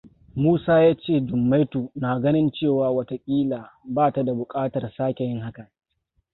Musa ya ce Jummaitu na ganin cewa watakila bata da bukatar sake yin haka.